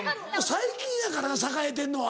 最近やからな栄えてるのは。